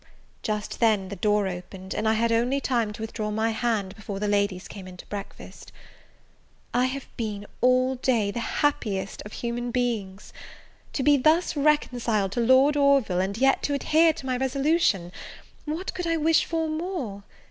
Just then the door opened, and I had only time to withdraw my hand, before the ladies came in to breakfast. I have been, all day, the happiest of human beings! to be thus reconciled to Lord Orville, and yet to adhere to my resolution, what could I wish for more?